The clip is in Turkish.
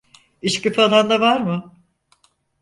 İçki falan da var mı?